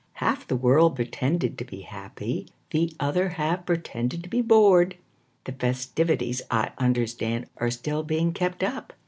Half the world pretended to be happy, The other half pretended to be bored. The festivities, I understand, Are still being kept up.